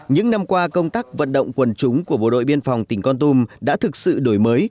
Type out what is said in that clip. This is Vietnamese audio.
những năm qua công tác vận động quần chúng của bộ đội biên phòng tỉnh con tum đã thực sự đổi mới